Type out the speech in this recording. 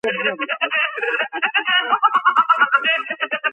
კოშკი მთლიანად ამოვსებულია მიწით და ქვით, ამდენად ზუსტი აღწერა ჭირს.